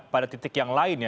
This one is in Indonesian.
pada titik yang lain ya